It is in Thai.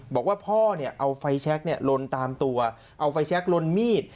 บอกว่าพ่อเอาไฟแช็คลนตามตัวเอาไฟแช็คลนมีด